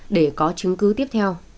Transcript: để có chứng cứ tiếp theo